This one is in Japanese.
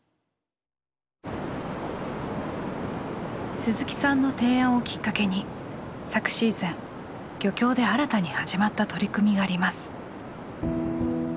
鈴木さんの提案をきっかけに昨シーズン漁協で新たに始まった取り組みがあります。